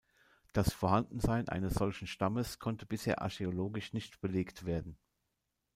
Das Vorhandensein eines solchen Stammes konnte bisher archäologisch nicht belegt werden.